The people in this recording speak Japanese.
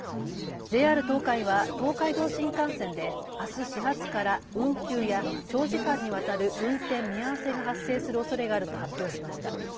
ＪＲ東海は東海道新幹線であす始発から運休や長時間にわたる運転見合わせが発生するおそれがあると発表しました。